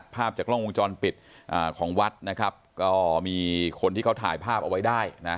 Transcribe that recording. ภาพจากกล้องวงจรปิดของวัดนะครับก็มีคนที่เขาถ่ายภาพเอาไว้ได้นะ